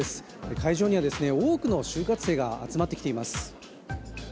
会場には多くの就活生が集まってきています。